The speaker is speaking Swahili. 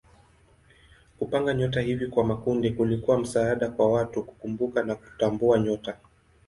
Kupanga nyota hivi kwa makundi kulikuwa msaada kwa watu kukumbuka na kutambua nyota.